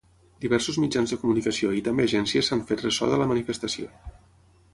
Diversos mitjans de comunicació i també agències s’han fet ressò de la manifestació.